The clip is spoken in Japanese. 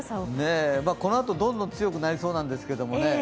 このあとどんどん強くなりそうなんですけどね。